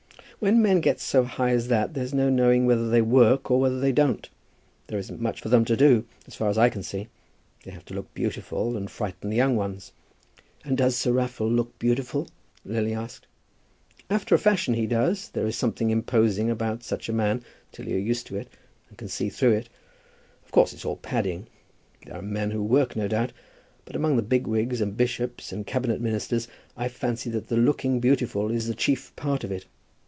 "When men get so high as that, there's no knowing whether they work or whether they don't. There isn't much for them to do, as far as I can see. They have to look beautiful, and frighten the young ones." "And does Sir Raffle look beautiful?" Lily asked. "After a fashion, he does. There is something imposing about such a man till you're used to it, and can see through it. Of course it's all padding. There are men who work, no doubt. But among the bigwigs, and bishops and cabinet ministers, I fancy that the looking beautiful is the chief part of it.